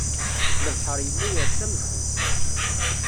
Lebḥer yella ires am zzit